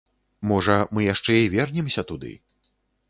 Можа, мы яшчэ і вернемся туды.